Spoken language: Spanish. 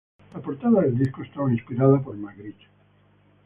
La portada del disco estaba inspirada por Magritte.